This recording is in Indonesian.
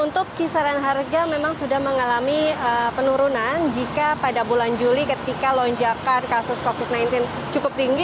untuk kisaran harga memang sudah mengalami penurunan jika pada bulan juli ketika lonjakan kasus covid sembilan belas cukup tinggi